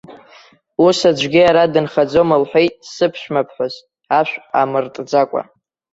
Ус аӡәгьы ара дынхаӡом лҳәеит сыԥшәмаԥҳәыс, ашә амыртӡакәа.